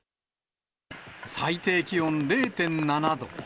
最低気温０．７度。